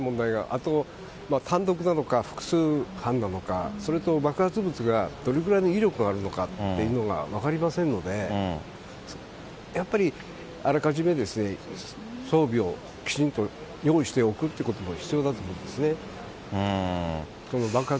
あと単独なのか、複数犯なのか、それと爆発物がどれぐらいの威力があるのかっていうのが分かりませんので、やっぱり、あらかじめ装備をきちんと用意しておくというのが必要だと思いますね。